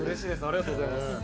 ありがとうございます。